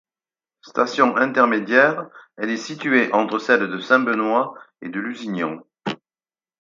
Station intermédiaire, elle est située entre celles de Saint-Benoît et de Lusignan.